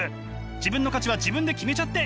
自分の価値は自分で決めちゃっていいんです！